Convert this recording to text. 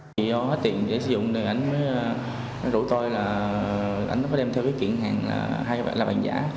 vì do hết tiền để sử dụng thì anh mới rủ tôi là anh có đem theo cái kiện hàng hay là bàn giả